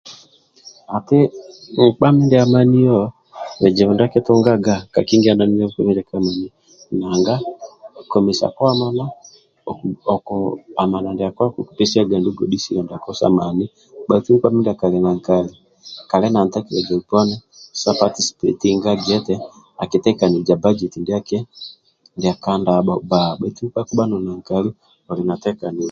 Ati nkpa mindia amanio bizibu ndia akitunganga kakinganani na nkpa mindia ka amanai nanga komesia ko amana oku oku amana ndiako akukupesiaga ndulu godhisa ndiako sa mani bhaitu nkpa mindia kamuli na nkali kali na ntekeleza uponibsa patisipetinga gia eti akitekaniza bajeti ndiaki ndia ka ndabho baa baitu nkpa kabha nomuli na nkali oli na tekaniza